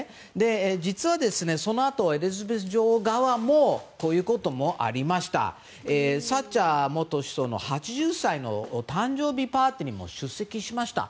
実は、そのあとエリザベス女王側もサッチャー元首相の８０歳の誕生日パーティーにも出席しました。